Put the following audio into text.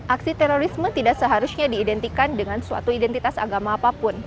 aksi terorisme tidak seharusnya diidentikan dengan suatu identitas agama apapun